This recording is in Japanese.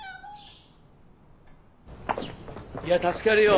いや助かるよ。